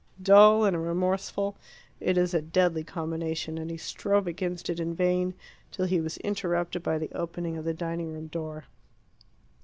Dull and remorseful: it is a deadly combination, and he strove against it in vain till he was interrupted by the opening of the dining room door.